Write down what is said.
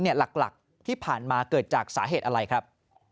หลักที่ผ่านมาเกิดจากสาเหตุอะไรครับ